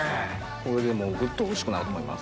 これでもうぐっとおいしくなると思います。